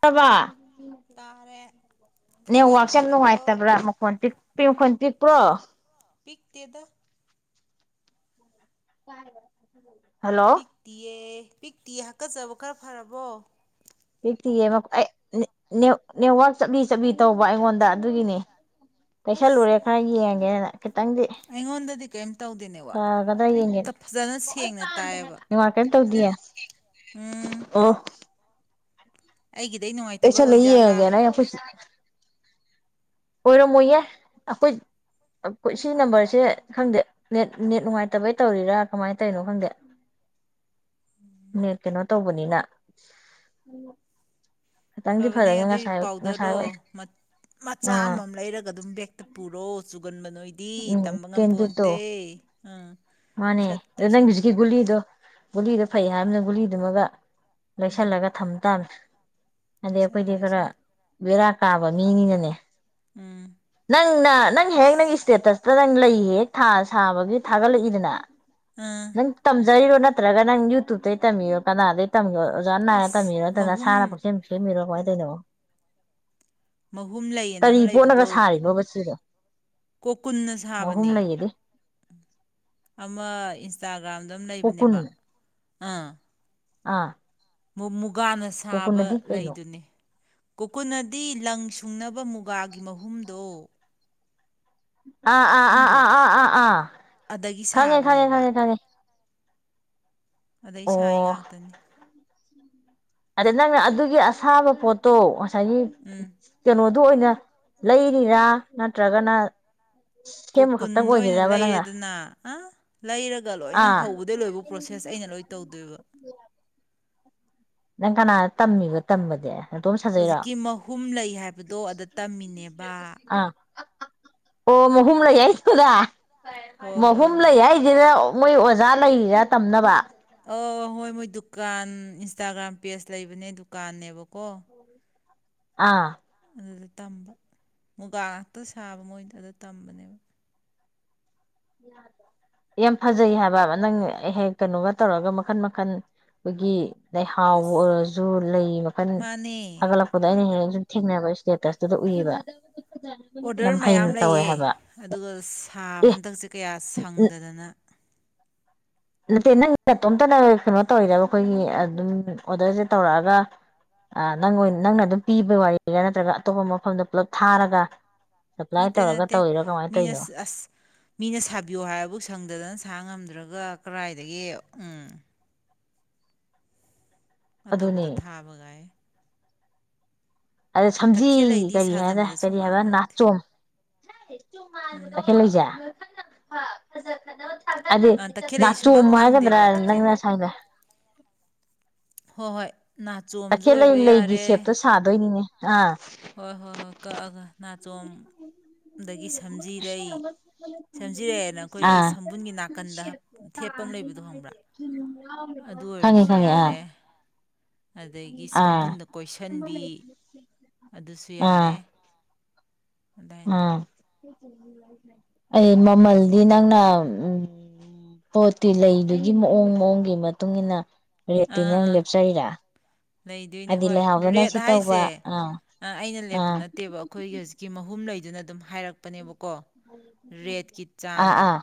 ꯇꯕꯥ ꯇꯥꯔꯦ ꯈꯔ ꯅꯦꯠꯋꯥꯛꯁꯦ ꯌꯥꯝ ꯐꯔꯕꯣ ꯅꯨꯡꯉꯥꯏꯇꯕ꯭ꯔꯥ ꯃꯈꯣꯟ ꯄꯤꯛ ꯄꯤ ꯃꯈꯣꯟ ꯄꯤꯛ ꯄ꯭ꯔꯣ ꯄꯤꯛꯇꯦꯗ ꯀꯥꯏꯗꯃꯨꯛ ꯄꯤꯛꯇꯤꯌꯦ ꯄꯤꯛꯇꯤꯌꯦ ꯍꯥꯀꯠꯆꯕ ꯈꯔ ꯐꯔꯕꯣ ꯄꯤꯛꯇꯤꯌꯦ ꯃ ꯑꯩ ꯅꯦꯠ ꯅꯦꯠ ꯅꯦꯠꯋꯥꯛ ꯆꯞꯂꯤ ꯆꯝꯂꯤ ꯇꯧꯕ ꯑꯩꯉꯣꯟꯗ ꯑꯗꯨꯒꯤꯅꯦ ꯑꯁ ꯄꯤꯛꯁꯜꯂꯨꯔꯦ ꯈꯔ ꯌꯦꯡꯒꯦꯅ ꯈꯤꯇꯪꯗꯤ ꯑꯩꯉꯣꯟꯗꯗꯤ ꯀꯔꯤꯝ ꯇꯧꯗꯦꯅꯦꯕ ꯐꯒꯗ꯭ꯔꯥ ꯌꯦꯡꯒꯦꯅ ꯐꯖꯅ ꯑꯩ ꯁꯦꯡꯅ ꯄꯥꯝꯗꯦ ꯇꯥꯏꯌꯦꯕ ꯍꯥꯏꯕ ꯅꯦꯠꯋꯥꯛ ꯀꯩꯏꯝ ꯇꯧꯗꯤꯌꯦ ꯎꯝ ꯂꯧꯁꯤꯟꯕ ꯉꯝꯗꯕ ꯑꯣ ꯑꯩꯒꯤꯗꯩ ꯅꯨꯡꯉꯥꯏꯇꯕ ꯑꯦꯁꯥ ꯂꯩꯌꯦꯦ ꯑꯣꯏꯖꯥꯠꯂꯥ ꯍꯥꯏꯒꯦ ꯌꯥ ꯑꯣꯏꯔꯝꯃꯣꯏꯌꯦ ꯑꯩꯈꯣꯏ ꯁꯤ ꯅꯝꯕꯔꯁꯦ ꯈꯪꯗꯦ ꯅꯦꯠ ꯅꯦꯠ ꯅꯨꯡꯉꯥꯏꯇꯕꯩ ꯇꯧꯔꯤꯔꯥ ꯀꯃꯥꯏꯅ ꯇꯧꯔꯤꯅꯣ ꯈꯪꯗꯦ ꯅꯦ ꯀꯩꯅꯣ ꯇꯧꯕꯅꯤꯅ ꯈꯤꯇꯪꯗꯤ ꯐꯕꯅꯦ ꯐꯔꯒ ꯑꯗꯨꯏ ꯉꯁꯥꯏ ꯉꯁꯥꯏ ꯄꯥꯎꯗꯔꯗꯣ ꯃꯆꯥ ꯑꯥ ꯑꯃꯃꯝ ꯂꯩꯔꯒ ꯑꯗꯨꯝ ꯕꯦꯛꯇ ꯄꯨꯔꯣ ꯆꯨꯒꯟ ꯃ ꯅꯣꯏꯗꯤ ꯎꯝ ꯇꯝꯕ ꯉꯄꯣꯟꯇꯦ ꯀꯦꯟꯗꯤꯠꯇꯣ ꯑꯥ ꯃꯥꯅꯦ ꯁꯠ ꯑꯗꯨ ꯅꯪ ꯇꯩꯁꯟꯕ ꯖꯀꯤꯒꯂꯤꯗꯨꯣ ꯒꯨꯂꯤꯗꯨ ꯐꯩ ꯍꯥꯏꯕꯅ ꯒꯨꯂꯤꯗꯨꯃꯒ ꯎꯝ ꯂꯣꯏꯁꯜꯂꯒ ꯊꯝꯃꯦ ꯇꯥꯟ ꯑꯗ ꯇꯩꯁꯜꯂꯣ ꯑꯩꯣꯏꯗꯤ ꯈꯔ ꯇꯩꯁꯜꯂꯣ ꯔꯥꯠ ꯀꯥꯕ ꯃꯤꯅꯤꯅꯅꯦ ꯎꯝ ꯅꯪꯅ ꯅꯪ ꯍꯦꯛ ꯑꯁ ꯅꯪ ꯏꯁꯇꯦꯇꯁꯇ ꯅꯪ ꯂꯩ ꯍꯦꯛ ꯊꯥ ꯁꯥꯕꯒꯤ ꯊꯥꯒꯠꯂꯛꯏꯗꯅ ꯇ ꯑꯥ ꯅ ꯇꯝ ꯆꯔꯣ ꯅꯠꯇ꯭ꯔꯒ ꯅꯪ ꯌꯨꯇꯨꯕꯇꯩ ꯇꯝꯕꯤꯌꯣ ꯀꯅꯥꯗ ꯇꯝꯃꯤꯌꯣ ꯑꯣꯖꯅꯥꯔꯦ ꯑꯁ ꯃꯦꯔ ꯇꯗꯅ ꯃꯍꯨꯝ ꯁꯥꯟ ꯄꯨꯣꯛꯁꯦ ꯐꯦ ꯃꯣ ꯀ ꯀꯩꯅꯣ ꯃꯍꯨꯝ ꯂꯩꯌꯦꯅ ꯀꯔꯤ ꯑꯃ ꯄꯣꯠꯂꯒ ꯂꯩꯕꯗꯣ ꯁꯥꯔꯤꯅꯣꯕ ꯁꯤꯗꯣ ꯀꯣꯀꯨꯟꯅ ꯑꯍꯨꯝ ꯁꯥꯕꯅꯤ ꯂꯩꯌꯦꯗꯤ ꯑꯃ ꯏꯟꯁꯇꯥꯒ ꯑꯥꯝꯗ ꯑꯃꯝ ꯀꯣꯀꯨꯟ ꯂꯩꯕꯅꯦꯕ ꯑꯥ ꯑꯥ [inaudible] ꯀꯥꯟꯅ ꯀꯣꯀꯨꯟ ꯁꯥꯕ ꯑꯗꯤ ꯀꯩꯅꯣ ꯂꯩꯗꯨꯅꯤ ꯀꯨꯀꯨꯅꯗꯤ ꯂꯪ ꯁꯨꯡꯅꯕ ꯃꯨꯒꯥꯒꯤ ꯃꯍꯨꯝꯗꯣ ꯑꯥ ꯑꯥ ꯑꯥ ꯈꯪꯗ꯭ꯔꯣ ꯑꯥ ꯑꯥ ꯑꯥ ꯑꯥ ꯑꯗꯒꯤ ꯈꯪꯉꯦ ꯈꯉꯦ ꯁꯥꯕꯅꯦꯕ ꯈꯉꯦ ꯈꯉꯦ ꯑꯗ ꯏꯁꯥ ꯑꯩ ꯉꯥꯛꯇꯅꯤ ꯑꯗꯩ ꯅꯪꯅ ꯑꯗꯨꯒꯤ ꯑꯁꯥꯕ ꯄꯣꯠꯇꯣ ꯁ ꯎꯝ ꯀꯩꯅꯣ ꯑꯗꯨ ꯑꯣꯏꯅ ꯂꯩꯔꯤꯔꯥ ꯅꯠꯇ꯭ꯔꯒꯅ ꯁꯦꯝꯕ ꯈꯛꯇꯪ ꯀꯣꯀꯨꯟꯗ ꯑꯣꯏꯅ ꯑꯣꯏꯔꯤꯔꯕ ꯅꯪꯅ ꯂꯩꯔꯦꯗꯅ ꯑ ꯂꯩꯔꯒ ꯂꯣꯏꯅ ꯑꯥ ꯍꯧꯕꯗꯩ ꯂꯣꯏꯕ ꯄ꯭ꯔꯣꯁꯦꯁ ꯑꯩꯅ ꯂꯣꯏ ꯇꯧꯗꯣꯏꯕ ꯅꯪ ꯀꯅꯥꯅ ꯇꯝꯃꯤꯕ ꯇꯝꯕꯗꯤꯦ ꯍꯧꯖꯤꯛꯀꯤ ꯃꯍꯨꯝ ꯂꯩ ꯍꯥꯏꯕꯗꯣ ꯑꯗ ꯇꯝꯃꯤꯅꯦꯕ ꯑꯥ ꯑꯣ ꯃꯍꯨꯝꯨꯝꯂ ꯌꯥꯏꯁꯀꯗꯥ ꯍꯣꯏ ꯍꯣꯏ ꯃꯍꯨꯝ ꯍꯣꯏ ꯂꯩ ꯍꯥꯏꯁꯤꯦꯗ ꯃꯣꯏ ꯑꯣꯖꯥ ꯂꯩꯔꯤꯔꯥ ꯇꯝꯅꯕ ꯑ ꯍꯣꯏ ꯃꯣꯏ ꯗꯨꯀꯥꯟ ꯏꯟꯁꯇꯥꯒ꯭ꯔꯥꯝ ꯄꯦꯖ ꯂꯩꯕꯅꯦ ꯗꯨꯀꯥꯟꯅꯦꯕꯀꯣ ꯑꯥ ꯑꯗꯨꯗ ꯇꯝꯕ ꯃꯨꯒꯥ ꯉꯥꯛꯇ ꯁꯥꯕ ꯃꯣꯏꯅꯗ ꯑꯗꯨꯗ ꯇꯝꯕꯅꯦꯕ ꯌꯥꯝ ꯐꯖꯩ ꯍꯥꯏꯕ ꯅꯪ ꯍꯦꯛ ꯀꯩꯅꯣꯒ ꯇꯧꯔꯒ ꯃꯈꯟ ꯃꯈꯟ ꯑꯩꯈꯣꯏꯒꯤ ꯑꯗꯩ ꯍꯥꯎꯕ ꯑꯁ ꯑꯣꯏꯔꯁꯨ ꯂꯩ ꯃꯈꯜ ꯃꯥꯅꯦ ꯊꯥꯒꯠꯂꯛꯄꯗꯣ ꯑꯩꯅ ꯍꯦꯟꯅ ꯁꯨꯝ ꯊꯦꯡꯅꯅꯕ ꯁꯦꯇꯁꯇꯗ ꯎꯏꯕ ꯑꯣꯗꯔ ꯃꯌꯥꯝ ꯂꯩꯌꯦ ꯑꯗꯨꯒ ꯁꯥ ꯑꯦ ꯍꯟꯗꯛꯁꯦ ꯀꯩ ꯀꯌꯥ ꯁꯪꯗꯗꯅ ꯅꯠꯇꯦ ꯅꯪ ꯃꯇꯇꯣꯝꯇꯅ ꯀꯩꯅꯣ ꯇꯧꯔꯤꯗꯕ ꯑꯩꯈꯣꯏꯒꯤ ꯑꯗꯨꯝ ꯑꯣꯗꯔꯁꯦ ꯇꯧꯔꯛꯑꯒ ꯅꯪ ꯅꯪꯅ ꯑꯗꯨꯝ ꯄꯤꯕ ꯋꯥꯔꯤꯔꯥ ꯅꯠꯇ꯭ꯔꯒ ꯑꯇꯣꯞꯄ ꯃꯐꯝꯗ ꯄꯨꯂꯞ ꯊꯥꯔꯒ ꯁꯄ꯭ꯂꯥꯏ ꯅꯠꯇꯦ ꯇꯧꯔꯒ ꯅꯠꯇꯦ ꯇꯧꯔꯤꯔꯥ ꯀꯃꯥꯏꯅ ꯃꯤꯅ ꯇꯧꯔꯤꯅꯣ ꯑꯁ ꯃꯤꯅ ꯁꯥꯕꯤꯌꯣ ꯍꯥꯏꯕꯨ ꯁꯪꯗꯗꯅ ꯁꯥ ꯉꯝꯗ꯭ꯔꯒ ꯑꯗꯨꯒ ꯀꯔꯥꯏꯗꯒꯤ ꯎꯝ ꯑꯗꯨꯅꯦ ꯑꯇꯣꯞꯄꯗ ꯊꯥꯕꯒꯥꯏ ꯑꯗ ꯁꯝꯖꯤ ꯇꯈꯦꯜꯂꯩꯗꯤ ꯀꯔꯤ ꯍꯥꯏꯅ ꯁꯥꯖꯟꯕꯗ ꯀꯔꯤ ꯁꯨꯡꯃꯥꯡ ꯍꯥꯏꯕ ꯃꯥꯡꯗꯦ ꯅꯥꯆꯣꯡ ꯍ ꯎꯝ ꯇꯈꯦ ꯂ ꯎꯝ ꯂꯩꯖꯥ ꯍ ꯍꯖꯔ ꯈ ꯍꯥꯏꯗꯤ ꯎꯝ ꯇꯈꯦꯜꯂꯩ ꯁꯨꯡꯃꯥꯡ ꯅꯥꯆꯣꯕ ꯍꯥꯏꯒꯗ꯭ꯔꯥ ꯃꯥꯡꯗꯦꯕ ꯇꯈꯦꯜ ꯅꯪꯅꯁꯪꯕ ꯍꯣꯏ ꯍꯣꯏ ꯅꯥꯆꯣꯝꯁꯨ ꯇꯈꯦꯜꯠꯂꯩ ꯑꯣꯏꯕ ꯂꯩꯒꯤ ꯌꯥꯔꯦ ꯁꯦꯞꯇꯣ ꯁꯥꯗꯣꯏꯅꯤꯅꯦ ꯑꯥ ꯍꯣꯏ ꯍꯣꯏ ꯍꯣꯏ ꯀꯛꯑꯒ ꯅꯥꯆꯣꯝ ꯑꯗꯒꯤ ꯁꯝꯖꯤꯔꯩ ꯁꯝꯖꯤꯔꯩ ꯍꯥꯏꯅ ꯑꯩꯈꯣꯏꯒꯤ ꯑꯥ ꯁꯝꯕꯨꯟꯒꯤ ꯅꯥꯀꯟꯗ ꯊꯦꯠꯄ ꯑꯃ ꯂꯩꯕꯗꯣ ꯍꯪꯕ꯭ꯔꯥ ꯑꯗꯨ ꯈꯪꯉꯦ ꯑꯣꯏꯔꯁꯨ ꯈꯪꯉꯦ ꯑꯥ ꯌꯥꯔꯦ ꯑꯗꯒꯤ ꯑꯥ ꯁꯝꯕꯨꯟꯗ ꯀꯣꯏꯁꯤꯟꯕꯤ ꯑꯗꯨꯁꯨ ꯑꯥ ꯌꯥꯔꯦ ꯑꯗꯥꯥꯏ ꯇꯧ ꯑꯥ ꯑꯩ ꯃꯃꯜꯗꯤ ꯅꯪꯅ ꯎꯝ ꯄꯣꯠꯇꯤ ꯂꯩꯕꯒꯤ ꯃꯑꯣꯡ ꯃꯑꯣꯡꯒꯤ ꯃꯇꯨꯡ ꯏ ꯃꯇꯨꯡꯏꯟꯅ ꯑꯥ ꯑꯥ ꯂꯩꯗꯣꯏꯅꯦ ꯍꯥꯏꯗꯤ ꯍꯣꯏ ꯂꯩꯍꯥꯎꯗꯅ ꯔꯦꯠ ꯁꯤ ꯇꯧꯕ ꯍꯥꯏꯁꯦ ꯑꯥ ꯑꯩꯅ ꯂꯦꯞꯄ ꯑꯥ ꯅꯠꯇꯦꯕ ꯑꯩꯈꯣꯏꯒꯤ ꯍꯧꯖꯤꯛꯀꯤ ꯀꯤ ꯃꯍꯨꯝ ꯂꯩꯗꯨꯅ ꯑꯗꯨꯝ ꯍꯥꯏꯔꯛꯄꯅꯦꯕ ꯑꯥ ꯑꯥ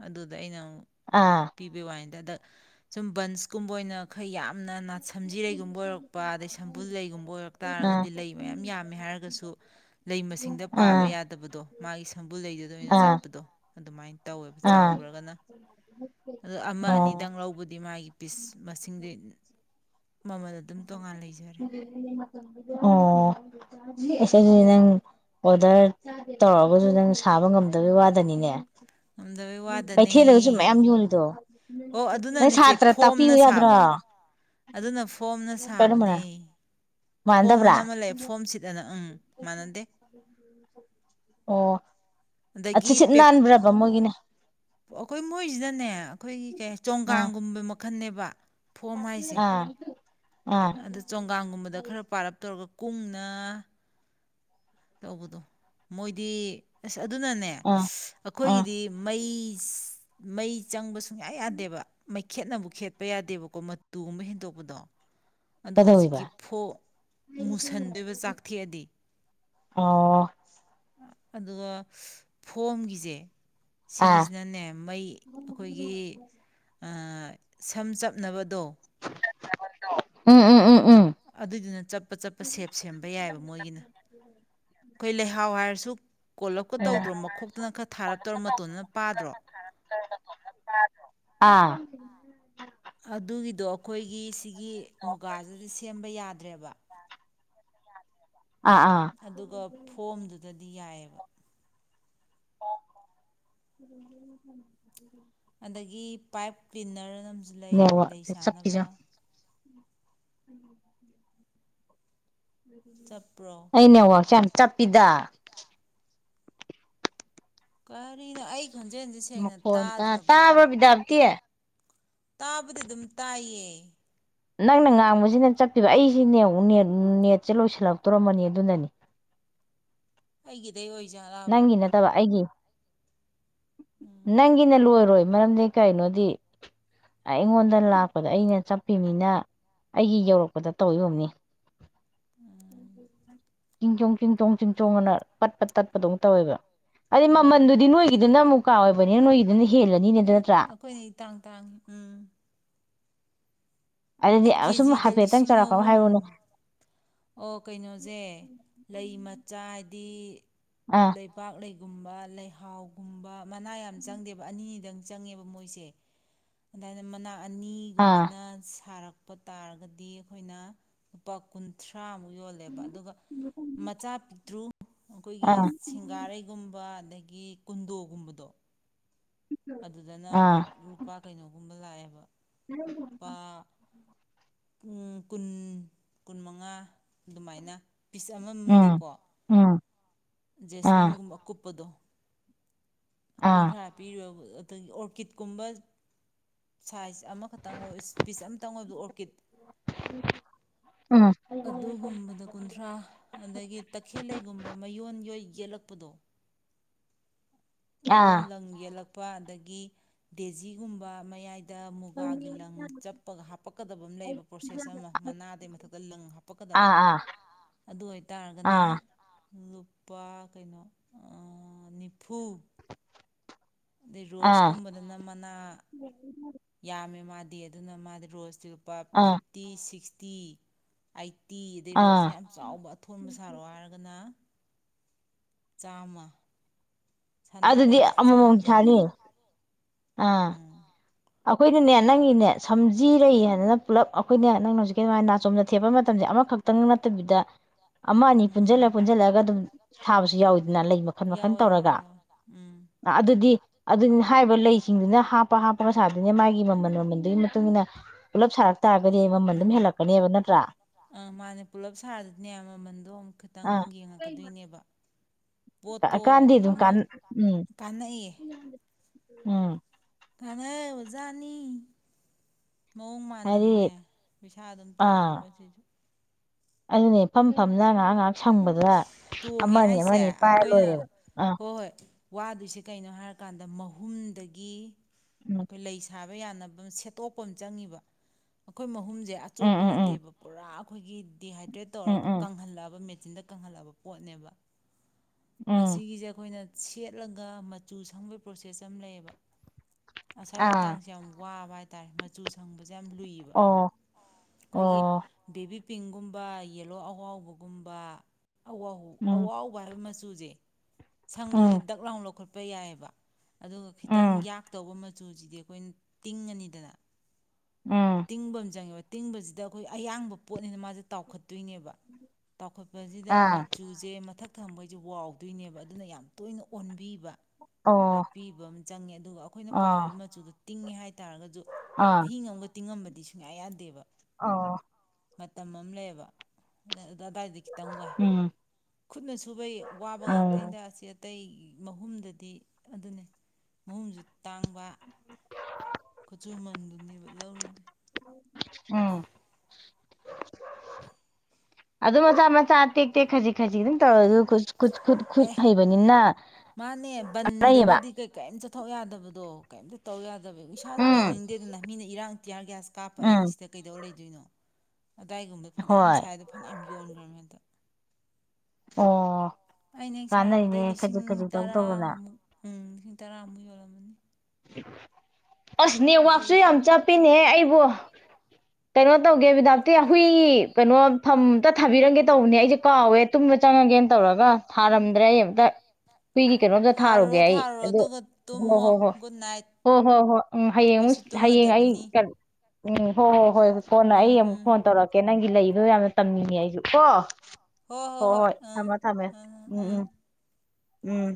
ꯑꯗꯨꯗ ꯑꯩꯅ ꯇꯤꯕ ꯋꯥꯏ ꯁꯨꯝꯟ ꯀꯨꯝ ꯕꯣꯏꯅꯈꯩ ꯌꯥꯝꯅ ꯅꯥ ꯁꯝꯖꯤꯔꯩꯒꯨꯝꯕ ꯑꯣꯏꯔꯛꯄ ꯑꯗꯩ ꯁꯝꯕꯨꯜ ꯂꯩꯒꯨꯝꯕ ꯑꯣꯏꯔꯛ ꯑꯥ ꯑꯥ ꯇꯥꯔꯒꯗꯤ ꯂꯩ ꯃꯌꯥꯝ ꯌꯥꯝꯃꯦ ꯍꯥꯏꯔꯒꯁꯨ ꯂꯩ ꯃꯁꯤꯡꯗ ꯄꯥꯕ ꯑꯥ ꯌꯥꯗꯕꯗꯣ ꯃꯥꯏꯁ ꯊꯝꯕꯨꯜ ꯂꯩꯗꯨꯗ ꯑꯣꯏꯅ ꯑꯥ ꯆꯠꯄꯗꯣ ꯑꯗꯨꯃꯥꯏꯅ ꯇꯧꯋꯦꯕ ꯑꯥ ꯆꯥꯎꯈ꯭ꯔꯒꯅ ꯑꯣ ꯑꯃ ꯑꯣ ꯑꯅꯤꯗꯪ ꯂꯧꯕꯗꯤ ꯃꯥꯒꯤ ꯄꯤꯁ ꯃꯁꯤꯡꯗꯤ ꯃꯃꯜ ꯑꯗꯨꯝ ꯇꯣꯉꯥꯟ ꯂꯩꯖꯔꯦ ꯑꯣ ꯑꯩꯁꯤ ꯅꯪ ꯑꯣꯗꯔ ꯇꯧꯔꯛꯑꯒꯁꯨ ꯅꯪ ꯁꯥꯕ ꯉꯝꯗꯕꯩ ꯋꯥꯗꯅꯤꯅꯦ ꯉꯝꯗꯕꯩ ꯋꯥꯗꯅꯦ ꯀꯩꯊꯦꯜꯗꯒꯁꯨ ꯃꯌꯥꯝ ꯌꯣꯜꯂꯤꯗꯣ ꯑꯣ ꯑꯗꯨꯅ ꯅꯣꯏ ꯏꯆꯦ ꯁꯥꯇ꯭ꯔ ꯇꯥꯛꯄꯤꯌꯨ ꯐꯣꯝꯅ ꯌꯥꯗ꯭ꯔꯣ ꯁꯥꯕ ꯑꯗꯨꯅ ꯐꯣꯝ ꯀꯔꯝꯕꯅ ꯁꯥꯕꯅꯦ ꯐꯣꯝ ꯑ ꯃꯥꯟꯅꯗꯕ꯭ꯔꯥ ꯅ ꯑꯃ ꯂꯩ ꯐꯣꯝꯁꯤꯗ ꯑꯣ ꯑ ꯑꯗꯒꯤ ꯁꯤꯠ ꯄꯦꯞ ꯅꯥꯟꯕ꯭ꯔꯕ ꯃꯒꯅꯦ ꯑꯩꯈꯣꯏ ꯃꯣꯏꯁꯤꯗꯅꯦ ꯑꯩꯈꯣꯏꯒꯤ ꯀꯦ ꯑꯥ ꯆꯣꯡꯒꯥꯡꯒꯨꯝꯕ ꯑꯈꯟꯅꯕ ꯑꯥ ꯑꯥ ꯑꯗ ꯆꯣꯡꯒꯥꯡꯒꯨꯝꯕꯗ ꯈꯔ ꯄꯥꯔꯞ ꯇꯧꯔꯒ ꯀꯨꯝꯅ ꯇꯧꯕꯗꯣ ꯃꯣꯏꯗꯤ ꯑꯁ ꯑꯗꯨꯅꯅꯦ ꯑꯥ ꯑꯥ ꯑꯩꯈꯣꯏꯒꯤꯗꯤ ꯃꯩ ꯃꯩ ꯆꯪꯕ ꯁꯨꯡꯌꯥ ꯌꯥꯗꯦꯕ ꯃꯩꯈꯦꯠꯕꯨ ꯈꯦꯠꯄ ꯌꯥꯗꯦꯕꯀꯣ ꯃꯇꯨꯒꯨꯝꯕ ꯍꯦꯟꯗꯣꯛꯄꯗꯣ ꯑꯗꯣ ꯍꯧꯖꯤꯛꯀꯤ ꯀꯩꯗꯧꯋꯤꯕ ꯐꯣ ꯃꯨꯁꯟꯗꯣꯏꯕ ꯆꯥꯛꯊꯦꯛꯑꯗꯤ ꯑꯣ ꯑꯗꯨꯒ ꯐꯣꯝꯒꯤꯁꯦ ꯑꯥ ꯁꯤꯒꯤꯁꯤꯅꯅꯦ ꯃꯩ ꯑꯩꯈꯣꯏꯒꯤ ꯁꯝ ꯆꯞꯅꯕꯗꯣ ꯎꯝ ꯎꯝ ꯎꯝ ꯑꯗꯨꯏꯗꯨꯅ ꯆꯠꯄ ꯆꯠꯄ ꯁꯦꯞ ꯁꯦꯝꯕ ꯌꯥꯏꯑꯕ ꯃꯣꯏꯒꯤꯅ ꯑꯩꯈꯣꯏ ꯂꯩꯍꯥꯎ ꯍꯥꯏꯔꯁꯨ ꯀꯣꯜꯂꯞꯀ ꯑꯥ ꯇꯧꯗ꯭ꯔꯣ ꯃꯈꯣꯛꯇꯅ ꯈꯔ ꯊꯥꯔꯞꯇꯧꯔ ꯃꯇꯣꯟꯗꯅ ꯄꯥꯗ꯭ꯔꯣ [inaudible] ꯑꯗꯨꯒꯤꯗꯣ ꯑꯩꯈꯣꯏꯒꯤ ꯑꯩꯒꯤ ꯃꯨꯒꯥꯁꯤꯗꯤ ꯁꯦꯝꯕ ꯌꯥꯗ ꯗ꯭ꯔꯦꯕ ꯑꯥ ꯑꯗꯨꯒ ꯐꯣꯝꯗꯨ ꯃꯗꯤ ꯌꯥꯏ [inaudible] ꯑꯗꯒꯤ ꯄꯥꯏꯞ ꯀ꯭ꯂꯤꯟꯅꯔꯅ ꯖꯤ ꯂꯩ ꯂꯩ ꯅꯦꯠꯋꯥꯛꯁꯦ ꯁꯥꯟꯅꯕ ꯎꯝ ꯆꯠꯄ꯭ꯔꯣ ꯑꯅꯦꯕꯥꯛꯁꯦ ꯌꯥꯝ ꯆꯞꯄꯤꯗ [unintelligible] ꯀꯔꯤꯅ ꯑꯩ ꯈꯣꯟꯖꯦꯜꯁꯦ ꯁꯦꯡꯅ ꯃꯈꯣꯟ ꯇ ꯇꯥꯗ꯭ꯔꯕ꯭ꯔꯣ ꯇꯥꯕꯣꯕꯤꯗꯥꯞꯇꯤꯌꯦ ꯇꯥꯕꯗꯤ ꯑꯗꯨꯝ ꯇꯥꯏꯌꯦ ꯅꯪꯅ ꯉꯥꯡꯕꯁꯤꯅ ꯆꯠꯄꯤꯕ ꯑꯩꯁꯤꯅꯦ ꯅꯦꯠꯁꯦ ꯂꯣꯏꯁꯤꯜꯂꯛꯇꯣꯔꯝꯕꯅꯤ ꯑꯗꯨꯅꯅꯤ ꯍꯥꯏꯦ ꯅꯪꯒꯤ ꯅꯠꯇꯕ ꯑꯩꯒꯤ ꯎꯝ ꯅꯪꯒꯤ ꯅꯜ ꯑꯣꯏꯔ ꯌꯥꯔꯣꯏ ꯃꯔꯝꯗꯤ ꯀꯩꯅꯣꯗꯤ ꯑꯩꯉꯣꯟꯗ ꯂꯥꯛꯄꯗ ꯑꯩꯅ ꯆꯠꯄꯤꯅꯤꯅ ꯑꯩꯒꯤ ꯌꯧꯔꯛꯄꯗ ꯇꯧꯣꯅꯤ ꯎꯝ ꯆꯤꯡ ꯆꯣꯡ ꯆꯤꯡ ꯆꯣꯡ ꯆꯤꯡ ꯆꯣꯡ ꯑꯅ ꯇꯠꯄ ꯇꯠ ꯑꯗꯨꯝ ꯇꯧꯋꯦꯕ ꯑꯗꯨꯗꯩ ꯎꯝ ꯃꯃꯜꯗꯨꯗꯤ ꯅꯣꯏꯒꯤꯗꯨꯅ ꯑꯃꯨꯛ ꯀꯥ ꯑꯣꯏꯕꯅꯤꯅ ꯅꯣꯏꯒꯤꯗꯨꯅ ꯍꯦꯜꯂꯅꯤꯅꯦ ꯑꯗꯨ ꯑꯦ ꯅꯠꯇ꯭ꯔꯥ ꯑꯩꯈꯣꯏꯅ ꯏꯇꯥꯡ ꯇꯥꯡꯉꯤ ꯎꯝ ꯑꯗꯨꯗꯤ ꯑꯩ ꯑꯁꯨꯝ ꯀꯦꯖꯤꯗ ꯍꯥꯏꯐꯦꯠꯇꯪ ꯂꯤꯁꯤꯡ ꯆꯥꯎꯧꯔꯛꯄ ꯑꯍꯨꯝ ꯍꯥꯏꯔꯨꯅꯨ ꯑꯣ ꯀꯩꯅꯣꯖꯦ ꯂꯩ ꯆꯥꯏꯗꯤ ꯑꯥ ꯂꯩꯕꯥꯛ ꯂꯩ ꯒꯨꯝꯕ ꯂꯩꯍꯥꯎꯒꯨꯝꯕ ꯃꯅꯥ ꯌꯥꯝ ꯆꯪꯗꯦꯕ ꯑꯅꯤꯗꯪ ꯆꯪꯉꯦꯕ ꯃꯣꯏꯁꯦ ꯑꯗꯨꯥꯏꯅ ꯃꯅꯥꯛ ꯑꯥ ꯑꯅꯤꯒꯨꯝꯕꯅ ꯁꯥꯔꯛ ꯂꯄ ꯇꯥꯔꯒꯗꯤ ꯑꯩꯈꯣꯏꯅ ꯂꯨꯄꯥ ꯀꯨꯟ ꯊꯔꯥꯃꯨꯛ ꯌꯣꯜꯂꯦꯕ ꯑꯗꯨꯒ ꯃꯆꯥ ꯄꯤꯇ꯭ꯔꯨ ꯑꯩꯈꯣꯏꯒꯤ ꯑꯥ ꯁꯤꯡꯒꯥꯔꯩꯒꯨꯝꯕ ꯑꯗꯒꯤ ꯀꯨꯟꯗꯣꯒꯨꯝꯕꯗꯣ ꯑꯗꯨꯗꯅ ꯑꯥ ꯑꯃꯨꯛ ꯂꯨꯄꯥ ꯀꯩꯅꯣꯒꯨꯝꯕ ꯂꯥꯏꯕꯥ [inaudible] ꯄꯨꯪ ꯀꯨꯟ ꯀꯨꯟꯃꯉꯥ ꯑꯗꯨꯃꯥꯏꯅ ꯄꯤꯁ ꯎꯝ ꯑꯃꯃꯝꯗꯀꯣ ꯎꯝ ꯑꯥ ꯖꯦꯁꯃꯤꯟꯒꯨꯝꯕ ꯑꯀꯨꯄꯥꯗꯨ ꯑꯥ ꯀꯨꯟꯊ꯭ꯔꯥ ꯄꯤꯔꯕ ꯑꯗꯒꯤ ꯑꯣꯔꯀꯤꯠꯀꯨꯝꯕ ꯁꯥꯏꯖ ꯑꯃꯈꯛꯇꯪ ꯑꯣꯏ ꯄꯤꯁ ꯑꯃꯇꯪ ꯑꯣꯏꯕ ꯑꯣꯔꯀꯤꯠ [inaudible] ꯑꯗꯨꯒꯨꯝꯕꯗ ꯀꯨꯟꯊ꯭ꯔꯥ ꯑꯗꯒꯤ ꯇꯈꯦꯜꯂꯩꯒꯨꯝꯕ ꯃꯌꯣꯟ ꯌꯣꯏ ꯌꯦꯛꯂꯛꯄꯗꯣ ꯑꯥ ꯃꯌꯣꯟ ꯂꯪꯌꯦꯂꯛ ꯄ ꯑꯗꯒꯤ ꯗꯦꯖꯤꯒꯨꯝꯕ ꯃꯌꯥꯏ ꯗ ꯃꯨꯒꯥꯒꯤ ꯂꯪ ꯆꯞꯄꯒ ꯍꯥꯞꯄꯛꯀꯗꯕ ꯑꯃ ꯂꯩꯌꯦꯕ ꯄ꯭ꯔꯣꯁꯦꯁ ꯑꯃ ꯃꯅꯥꯗꯩ ꯃꯊꯛꯇ ꯂꯪ ꯍꯥꯞꯄꯛꯀꯗꯕ ꯑꯥ ꯑꯗꯨ ꯑꯣꯏꯇꯥꯔꯒꯅ ꯑꯥ ꯂꯨꯄꯥ ꯀꯩꯅꯣ ꯑꯥ ꯅꯤꯐꯨ ꯑꯗꯩ ꯑꯥ ꯑꯥ ꯔꯣꯁꯀꯨꯝꯕꯗꯅ ꯃꯅꯥ ꯌꯥꯝꯃꯦ ꯃꯥꯗꯤ ꯑꯗꯨꯅ ꯃꯥꯗꯤ ꯔꯣꯁꯇꯤ ꯄ ꯑꯥ fifty sixty eighty ꯑꯗꯩ ꯔꯣꯁꯁꯤ ꯑꯥ ꯌꯥꯝ ꯆꯥꯎꯕ ꯑꯊꯣꯟꯕ ꯁꯥꯔꯣ ꯍꯥꯏꯔꯒꯅ ꯆꯥꯃꯥ ꯑꯗꯨꯗꯤ ꯑꯃꯃꯝ ꯊꯥꯅꯤ ꯑꯥ ꯎꯝ ꯑꯩꯈꯣꯏꯅꯅꯦ ꯅꯪꯒꯤꯅꯦ ꯁꯝꯖꯤꯔꯩꯏ ꯍꯥꯏꯗꯅ ꯄꯨꯂꯞ ꯑꯩꯈꯣꯏꯅꯦ ꯅꯪꯅ ꯍꯧꯖꯤꯛ ꯀꯤ ꯑꯗꯨꯃꯥꯏ ꯅꯥꯆꯣꯝꯗ ꯊꯦꯠꯄ ꯃꯇꯝꯁꯦ ꯑꯃꯈꯛꯇꯪ ꯅꯠꯇꯕꯤꯗ ꯑꯃ ꯑꯅꯤ ꯎꯝ ꯎꯝ ꯎꯝ ꯄꯨꯟꯁꯤꯜꯂ ꯄꯨꯟꯁꯤꯜꯂꯒ ꯑꯗꯨꯝ ꯊꯥꯕꯁꯨ ꯌꯥꯎꯋꯤꯗꯅ ꯂꯩ ꯃꯈꯜ ꯃꯈꯜ ꯌꯥꯎꯋꯦ ꯇꯧꯔꯒ ꯌꯥꯎꯋꯦ ꯌꯥꯎꯋꯦ ꯎꯝ ꯑꯗꯨꯗꯤ ꯑꯗꯨ ꯍꯥꯏꯕ ꯂꯩ ꯁꯤꯡꯗꯨꯅ ꯍꯥꯞꯄ ꯃꯁꯥꯗꯨꯅ ꯃꯥꯒꯤ ꯃꯃꯜ ꯃꯃꯟꯗꯨꯒꯤ ꯃꯇꯨꯡ ꯏꯟꯅ ꯄꯨꯂꯞ ꯁꯥꯔꯛ ꯇꯥꯔꯒꯗꯤ ꯃꯃꯜ ꯑꯗꯨꯝ ꯎꯝ ꯍꯦꯜꯂꯛꯀꯅꯦꯕ ꯅꯠꯇ꯭ꯔꯥ ꯑꯥ ꯃꯥꯅꯦ ꯄꯨꯂꯞ ꯁꯥꯔꯗꯤꯅꯦ ꯃꯃꯟꯗꯣ ꯑꯃꯨꯛ ꯈꯤꯇꯪ ꯑꯥ ꯌꯦꯡꯉꯛꯀꯗꯣꯏꯅꯦꯕ ꯄꯣꯠꯇꯣ ꯀꯥꯟꯗꯤ ꯑꯗꯨꯝ ꯑꯃ ꯀꯥꯟ ꯎꯝ ꯀꯥꯟꯅꯩꯌꯦ ꯎꯝ ꯀꯟꯅ ꯈꯔ꯭ꯖꯠꯅꯤ ꯃꯑꯣꯡ ꯍꯥꯏꯗꯤ ꯃꯥꯟꯗꯅꯅꯦ ꯄꯩꯁꯥ ꯑꯗꯨꯝ ꯑꯥ ꯇꯣꯡꯉꯦꯕ ꯁꯤꯁꯨ ꯑꯗꯨꯅꯦ ꯐꯝ ꯐꯝꯅ ꯉꯥꯏꯍꯥꯛ ꯉꯥꯏꯍꯥꯛ ꯁꯪꯕꯗ ꯇꯣꯡꯉꯦ ꯑꯃꯅꯤ ꯍꯥꯏꯁꯦ ꯑꯃꯅꯤ ꯄꯥꯏꯔ ꯑꯩꯈꯣꯏꯅ ꯂꯣꯏꯔꯦꯕ ꯑꯥ ꯍꯣꯏ ꯍꯣꯏ ꯋꯥꯗꯣꯏꯁꯦ ꯀꯩꯅꯣ ꯍꯥꯏꯔꯀꯥꯟꯗ ꯃꯍꯨꯝꯗꯒꯤ ꯎꯝ ꯑꯩꯈꯣꯏ ꯂꯩ ꯁꯥꯕ ꯌꯥꯅꯕ ꯁꯦꯠ ꯇꯣꯛꯄ ꯑꯃꯥ ꯆꯪꯂꯤꯕ ꯑꯩꯈꯣꯏ ꯃꯍꯨꯝ ꯁꯦ ꯁꯦ ꯎꯝ ꯑꯆꯣꯠꯄ ꯎꯝ ꯅꯠꯇꯦꯕ ꯄꯨꯔꯥ ꯑꯩꯈꯣꯏꯒꯤ ꯗꯤꯍꯥꯏꯗ ꯎꯝ ꯇꯧꯔꯒ ꯎꯝ ꯎꯝ ꯀꯪꯍꯜꯂꯕ ꯃꯤꯦꯠ ꯆꯤꯟꯗ ꯀꯪꯍꯜꯂꯑꯕ ꯑꯣꯠꯅꯦꯕ ꯎꯝ ꯑꯁꯤꯒꯤꯁꯦ ꯑꯩꯈꯣꯏꯅ ꯁꯦꯠꯂꯒ ꯃꯆꯨ ꯁꯪꯕꯒꯤ ꯄ꯭ꯔꯣꯁꯦꯁ ꯑꯃ ꯂꯩꯌꯦꯕ ꯉꯁ꯭ꯥꯏ ꯑꯥ ꯃꯇꯥꯡꯁꯦ ꯌꯥꯝ ꯋꯥꯕ ꯍꯥꯏ ꯇ ꯃꯆꯨꯁ ꯁꯪꯕꯁꯦ ꯌꯥꯝ ꯂꯨꯏꯌꯦꯕ ꯑꯣ ꯑꯩꯈꯣꯏꯒꯤ ꯑꯣ ꯕꯦꯕꯤ ꯄꯤꯡꯒꯨꯝꯕ ꯌꯦꯂꯣ ꯑꯍꯥꯎꯕꯒꯨꯝꯕ ꯑ ꯑ ꯑꯋꯥ ꯎꯝ ꯑꯕꯔ ꯃꯁ ꯇꯨꯖꯦ ꯁꯪꯕꯗꯗꯤ ꯎꯝ ꯗꯛꯂꯥꯎ ꯂꯧꯈꯠꯄ ꯀꯄꯌꯥꯕ ꯑꯗꯨꯒ ꯈꯤꯇꯪ ꯎꯝ ꯌꯥꯛꯛꯇꯧꯕ ꯃꯆꯨꯁꯤꯗꯤ ꯑꯩꯈꯣꯏꯅ ꯇꯤꯡꯉꯅꯤꯗꯅ ꯎꯝ ꯇꯤꯡꯕꯝ ꯆꯪꯉꯦꯕ ꯇꯤꯡꯕꯁꯤꯗ ꯑꯩꯈꯣꯏ ꯑꯌꯥꯡꯕ ꯄꯣꯠꯅꯤꯅ ꯃꯥꯁꯦ ꯇꯥꯎꯈꯠꯇꯣꯏꯅꯦꯕ ꯇꯥꯎꯈꯠꯄꯁꯤꯗ ꯑꯥ ꯃꯆꯨꯁꯦ ꯃꯊꯛ ꯊꯝꯕ ꯁꯦ ꯋꯥꯎꯗꯣꯏꯅꯦꯕ ꯑꯗꯨꯅ ꯌꯥꯝ ꯇꯣꯏꯅ ꯑꯣꯟꯕꯤꯕ ꯑꯣ ꯄꯤꯕ ꯑꯃ ꯆꯪꯉꯦ ꯑꯗꯨꯒ ꯑꯩꯈꯣꯏꯅ ꯑꯥ ꯄꯥꯝꯃꯤꯕ ꯃꯆꯨꯗꯣ ꯇꯤꯡꯉꯦ ꯍꯥꯏꯗꯤ ꯠꯔꯒꯁꯨ ꯑꯥ ꯑꯍꯤꯡ ꯑꯃꯒ ꯇꯤꯡꯉ ꯗꯤ ꯁꯨꯡꯌꯥ ꯌꯥꯗꯦꯕ ꯑ ꯃꯇꯝ ꯑꯃ ꯂꯩꯌꯦꯕ ꯑꯗꯥꯏꯗꯤ ꯈꯤꯇꯪ ꯋꯥꯏ ꯎꯝ ꯈꯨꯠꯅ ꯁꯨꯕꯩ ꯊꯥꯕꯀ ꯎꯝ ꯉꯥꯡꯇꯥꯅꯤꯗ ꯑꯥ ꯆꯦꯠ ꯑꯇꯩꯒꯤ ꯃꯍꯨꯝꯗꯗꯤ ꯑꯗꯨꯅꯦ ꯃꯍꯨꯝꯁꯨ ꯇꯥꯡꯕ ꯀꯠꯁꯨꯃꯟ ꯂꯧꯔꯤꯗꯨ ꯎꯝ ꯑꯗꯨ ꯃꯆꯥ ꯃꯆꯥ ꯇꯦꯛ ꯇꯦꯛ ꯈꯖꯤꯛ ꯈꯖꯤꯛ ꯑꯗꯨꯝ ꯇꯧꯔ ꯑꯈꯣꯏꯁꯨ ꯑꯦ ꯃꯥꯅꯦ ꯂꯩꯌꯦꯕ ꯕꯟꯗꯒꯗꯤ ꯀꯩ ꯀꯔꯤꯝ ꯆꯠꯊꯣꯛ ꯌꯥꯗꯕꯗꯣ ꯀꯩꯝꯇ ꯇꯧ ꯌꯥꯗ ꯑ ꯏꯁꯥꯁꯨ ꯎꯝ ꯇꯧꯅꯤꯡꯗꯦ ꯑꯗꯨꯅ ꯃꯤꯅ ꯏꯔꯥꯡ ꯇꯤꯌꯥ ꯒ꯭ꯌꯥꯁ ꯀꯥꯞꯄ ꯑꯩꯅ ꯎꯝ ꯁꯤꯗ ꯀꯩꯗꯧ ꯂꯩꯗꯦ ꯑꯗꯨꯅ ꯑꯗꯥꯏꯒꯨꯝꯕꯗ ꯐꯅꯌꯥꯝ ꯍꯣꯏ ꯁꯥꯏꯗꯣ ꯐꯅꯌꯥꯝ ꯌꯣꯟꯈ꯭ꯔꯕꯅꯤ ꯍꯟꯗꯛ ꯑꯣ ꯑꯩꯅ ꯍꯦꯛ ꯀꯥꯟꯅꯩꯅꯦ ꯁꯥꯔꯛꯄꯗꯗꯩꯩ ꯂꯤꯁꯤꯡ ꯈꯖꯤꯛ ꯈꯖꯤꯛ ꯇꯧ ꯇꯧꯗꯅ ꯇꯔꯥꯃꯨꯛ ꯎꯝ ꯂꯤꯁꯤꯡ ꯇꯔꯥꯃꯨꯛ ꯌꯣꯜꯂꯝꯃꯅꯤ [inaudible] ꯑꯁ ꯅꯦꯠꯋꯥꯛꯁꯦ ꯌꯥꯝ ꯆꯠꯄꯤꯅꯦꯍ ꯑꯩꯕꯨ ꯀꯩꯅꯣ ꯇꯧꯒꯦ ꯍꯤꯗꯥꯛꯇꯤ ꯍꯨꯏꯒꯤ ꯀꯩꯅꯣ ꯐꯝ ꯑꯝꯇ ꯊꯥꯕꯤꯔꯝꯒꯦ ꯇꯧꯕꯅꯦ ꯑꯩꯁꯦ ꯀꯥꯎꯋꯦ ꯇꯨꯝꯕ ꯆꯪꯉꯒꯦꯅ ꯇꯧꯔꯒ ꯊꯥꯔꯝꯗ꯭ꯔꯦ ꯑꯩ ꯑꯃꯝꯇ ꯍꯨꯏꯒꯤ ꯀꯩꯅꯣꯝꯇ ꯊꯥꯔꯨꯔꯣ ꯊꯥꯔꯨꯒꯦ ꯑꯩ ꯊꯥꯔꯨꯔꯣ ꯑꯗꯨ ꯑꯗꯨꯒ ꯍꯣꯏ ꯇꯨꯝꯃꯣ ꯍꯣꯏ ꯍꯣꯏ ꯒꯨꯗ ꯅꯥꯏꯠ ꯑꯣ ꯍꯣ ꯍꯣ ꯎꯝ ꯍꯌꯦꯡ ꯑꯃꯨꯛ ꯑꯩꯁꯨ ꯍꯌꯦꯡ ꯑꯩ ꯇꯨꯝꯃꯗꯕꯅꯤ ꯎꯝ ꯍ ꯍꯣꯏ ꯀꯣꯟꯅ ꯎꯝ ꯑꯩ ꯑꯃꯨꯛ ꯎꯝ ꯐꯣꯟ ꯇꯧꯔꯛꯀꯦ ꯅꯪꯒꯤ ꯂꯩ ꯑꯗꯣ ꯌꯥꯝꯅ ꯇꯝꯅꯤꯡꯉꯦ ꯑꯩꯁꯨ ꯀꯣ ꯍꯣꯏ ꯍꯣꯏ ꯊꯝꯃꯣ ꯊꯝꯃꯦ ꯎꯝ ꯎꯝ ꯎꯝ